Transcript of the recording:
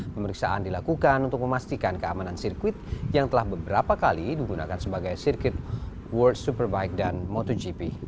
pemeriksaan dilakukan untuk memastikan keamanan sirkuit yang telah beberapa kali digunakan sebagai sirkuit world superbike dan motogp